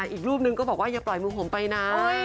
อีกรูปนึงก็บอกว่าอย่าปล่อยมือผมไปนะ